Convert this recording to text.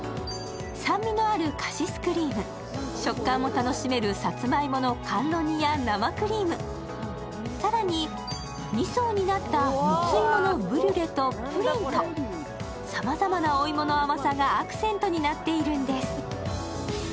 酸味のあるカシスクリーム、食感も楽しめるさつまいもの甘露煮や生クリーム、更に２層になった蜜芋のブリュレとプリンと、さまざまなお芋の甘さがアクセントになっているんです。